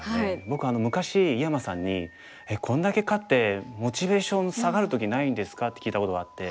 僕昔井山さんに「こんだけ勝ってモチベーション下がる時ないんですか？」って聞いたことがあって。